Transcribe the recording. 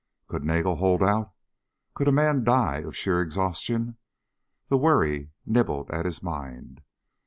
Could Nagel hold out? Could a man die of sheer exhaustion? The worry nibbled at his mind.